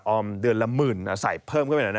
ออมเดือนละหมื่นอ่ะใส่เพิ่มก็ไม่เห็น